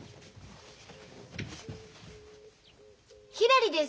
ひらりです！